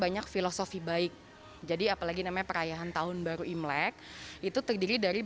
banyak filosofi baik jadi apalagi namanya perayaan tahun baru imlek itu terdiri dari